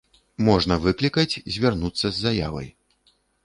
Можна выклікаць, звярнуцца з заявай.